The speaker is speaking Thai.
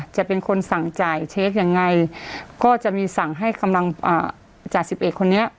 จะเป็นคนสั่งจ่ายเช็คยังไงก็จะมีสั่งให้กำลังจ่าสิบเอกคนนี้